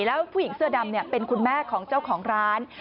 แล้วผู้หญิงเสื้อดำเป็นคุณแม่ของเจ้าของร้าน